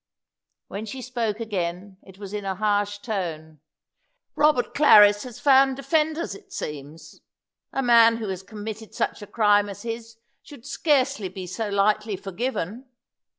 When she spoke again it was in a harsh tone. "Robert Clarris has found defenders, it seems! A man who has committed such a crime as his should scarcely be so lightly forgiven!"